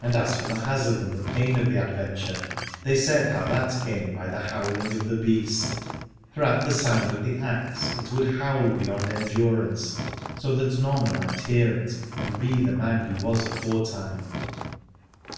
And as for the hazard and the pain of the adventure, they said how that came by the howling of the Beast; for at the sound of the axe it would howl be yond endurance, so that none might hear it and be the man he was aforetime.